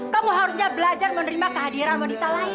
kamu harusnya belajar menerima kehadiran wanita lain